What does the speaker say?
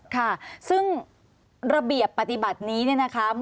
ค่ะซึ่งระเบียบปฏิบัตินี้เนี่ยนะคะ